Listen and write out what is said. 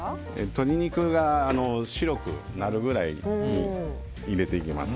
鶏肉が白くなるぐらいに入れていきます。